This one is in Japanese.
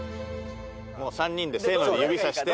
もう３人でせので指さして。